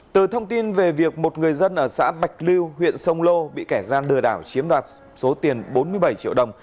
từ thông tin về việc một người dân ở xã bạch lưu huyện sông lô bị kẻ gian lừa đảo chiếm đoạt số tiền bốn mươi bảy triệu đồng